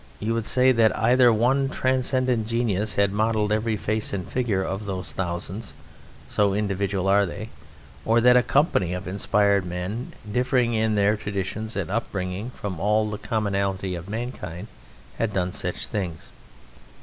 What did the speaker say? You would say that either one transcendent genius had modelled every face and figure of those thousands (so individual are they), or that a company of inspired men differing in their traditions and upbringing from all the commonalty of mankind had done such things.